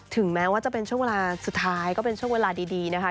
ถึงแม้ว่าจะเป็นช่วงเวลาสุดท้ายก็เป็นช่วงเวลาดีนะคะ